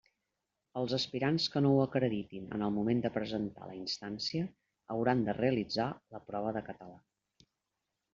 Els aspirants que no ho acreditin en el moment de presentar la instància hauran de realitzar la prova de català.